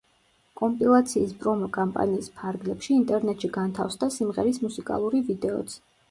კომპილაციის პრომო კამპანიის ფარგლებში ინტერნეტში განთავსდა სიმღერის მუსიკალური ვიდეოც.